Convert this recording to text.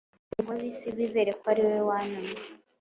ngo ab’isi bizere ko ari wowe wantumye.”